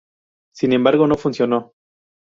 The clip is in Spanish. Sin embargo, no funcionó.